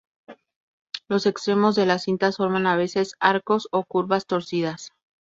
Los extremos de las cintas forman a veces arcos o curvas torcidas.